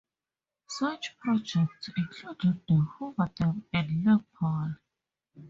Such projects included the Hoover Dam and Lake Powell.